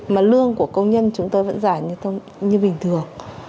mà lương của công nhân chúng tôi vẫn giảm như bình thường